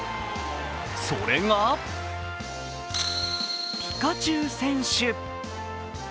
それが、ピカチュウ選手。